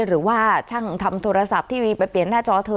หรือว่าช่างทำโทรศัพท์ทีวีไปเปลี่ยนหน้าจอเธอ